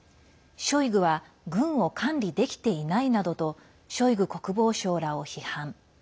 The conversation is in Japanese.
ショイグは軍を管理できていないなどとショイグ国防相らを批判。